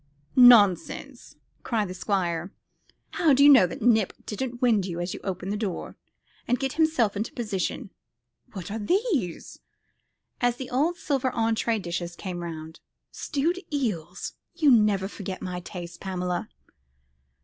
"Nonsense!" cried the Squire. "How do you know that Nip didn't wind you as you opened the door, and get himself into position? What are these?" as the old silver entrée dishes came round. "Stewed eels? You never forget my tastes, Pamela."